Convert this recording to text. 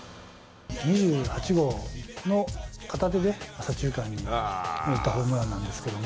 ２８号の片手で左中間に打ったホームランなんですけど。